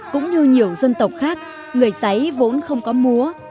cũng như nhiều dân tộc khác người giấy vốn không có múa